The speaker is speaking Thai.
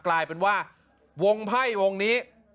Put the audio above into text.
กลายเป็นว่าวงไพ่วงนี้